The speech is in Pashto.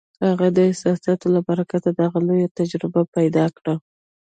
هغه د احساساتو له برکته دغه لویه تجربه پیدا کړه